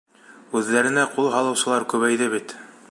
— Үҙҙәренә ҡул һалыусылар күбәйҙе бит.